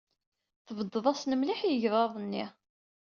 Tebded-asen mliḥ i yegḍaḍ-nni.